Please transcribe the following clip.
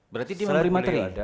berarti dia memberi materi